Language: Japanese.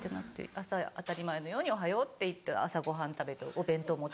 朝当たり前のようにおはようって言って朝ご飯食べてお弁当持って。